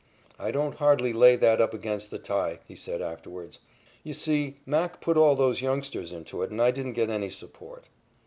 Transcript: "I don't hardly lay that up against the tie," he said afterwards. "You see, Mac put all those youngsters into it, and I didn't get any support."